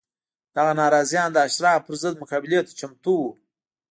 دغه ناراضیان د اشرافو پر ضد مقابلې ته چمتو وو